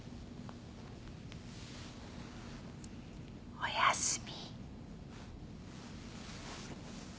おやすみ。